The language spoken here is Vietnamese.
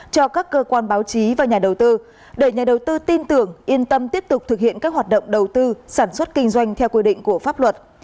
cho các cơ quan báo chí và nhà đầu tư để nhà đầu tư tin tưởng yên tâm tiếp tục thực hiện các hoạt động đầu tư sản xuất kinh doanh theo quy định của pháp luật